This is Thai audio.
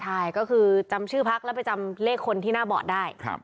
ใช่ก็คือจำชื่อพักแล้วไปจำเลขคนที่หน้าบอร์ดได้